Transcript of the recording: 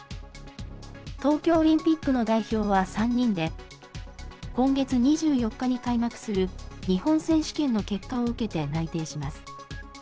東京オリンピックの代表は３人で、今月２４日に開幕する、日本選手権の結果を受けて内定します。